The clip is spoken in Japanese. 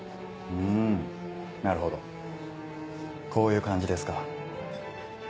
んなるほどこういう感じですか。